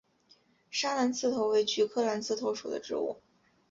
砂蓝刺头为菊科蓝刺头属的植物。